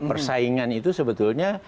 persaingan itu sebetulnya